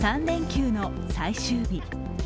３連休の最終日。